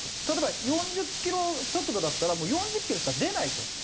例えば４０キロ速度だったらもう４０キロしか出ないと。